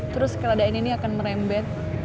terus keadaan ini akan merembet